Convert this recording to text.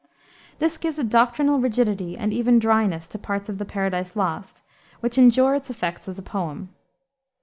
This gives a doctrinal rigidity and even dryness to parts of the Paradise Lost, which injure its effect as a poem.